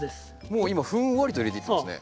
もう今ふんわりと入れていってますね。